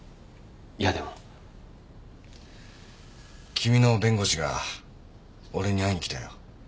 君の弁護士が俺に会いに来たよ。